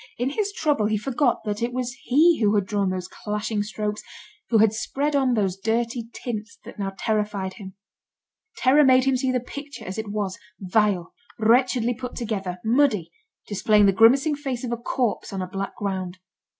In his trouble he forgot that it was he who had drawn those clashing strokes, who had spread on those dirty tints that now terrified him. Terror made him see the picture as it was, vile, wretchedly put together, muddy, displaying the grimacing face of a corpse on a black ground.